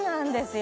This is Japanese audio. よ